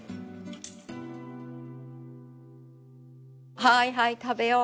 はいはい食べよう。